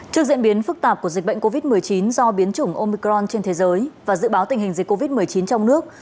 trước diễn biến phức tạp của dịch bệnh covid một mươi chín do biến chủng omicron trên thế giới và dự báo tình hình dịch covid một mươi chín trong nước